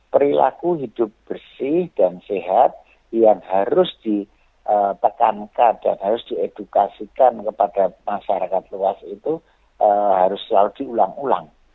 perilaku hidup bersih dan sehat yang harus ditekankan dan harus diedukasikan kepada masyarakat luas itu harus selalu diulang ulang